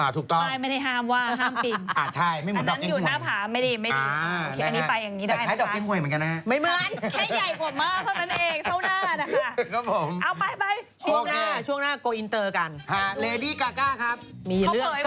อันนี้เข้าไปถ่ายเอาหน้าเข้าไปแน่นได้